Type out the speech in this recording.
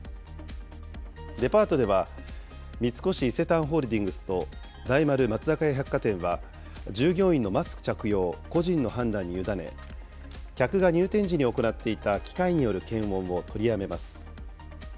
デパートでは三越伊勢丹ホールディングスと大丸松坂屋百貨店は、従業員のマスク着用を個人の判断に委ね、客が入店時に行っていた機械による検温を取りやめます。